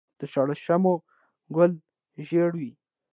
د شړشمو ګل ژیړ وي.